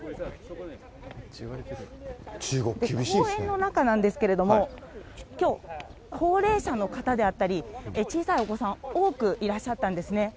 公園の中なんですけれども、きょう、高齢者の方であったり、小さいお子さん、多くいらっしゃったんですね。